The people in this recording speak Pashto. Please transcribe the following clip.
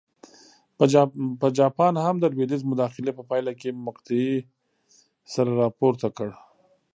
په جاپان هم د لوېدیځ مداخلې په پایله کې مقطعې سر راپورته کړ.